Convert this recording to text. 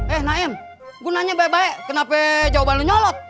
eh naim gue nanya baik baik kenapa jawaban lo nyolot